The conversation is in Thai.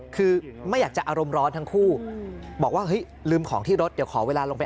คือไม่อยากจะอารมณ์ร้อนทั้งคู่บอกว่าเฮ้ยลืมของที่รถเดี๋ยวขอเวลาลงไป